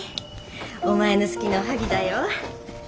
お前の好きなおはぎだよ。